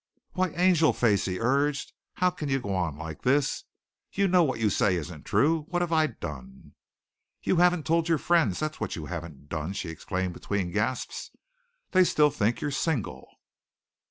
"Why, Angelface," he urged, "how can you go on like this? You know what you say isn't true. What have I done?" "You haven't told your friends that's what you haven't done," she exclaimed between gasps. "They still think you're single.